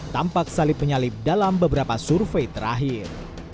tampak salib penyalib dalam beberapa survei terakhir